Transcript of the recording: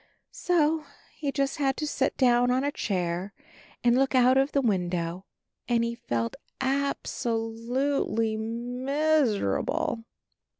So he just had to sit down on a chair and look out of the window, and he felt ab so lute ly MISERABLE.